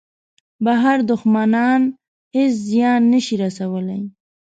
بهر دوښمنان هېڅ زیان نه شي رسولای.